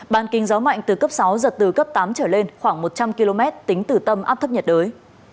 bàn kinh gió mạnh từ cấp sáu giật từ cấp tám trở lên khoảng một trăm linh km tính từ tâm áp thấp nhiệt đới